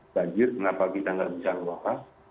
kenapa kita tidak bisa luar